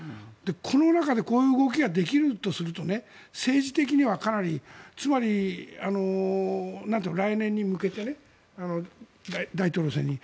この中でこういう動きができるとすると政治的にはかなりつまり、来年に向けて大統領選に。